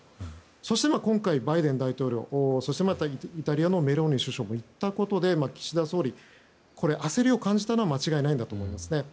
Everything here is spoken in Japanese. そして今回バイデン大統領が訪問そして、イタリアのメローニ首相が行ったことで岸田総理が焦りを感じたのは間違いないと思うんですね。